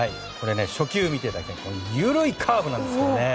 初球を見ていただくと緩いカーブなんですよね。